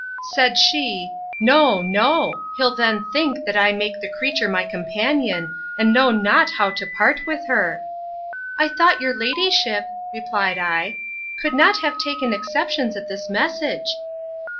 Said she, No, no; he'll then think, that I make the creature my companion, and know not how to part with her. I thought your ladyship, replied I, could not have taken exceptions at this message.